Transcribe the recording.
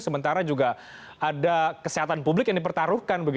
sementara juga ada kesehatan publik yang dipertaruhkan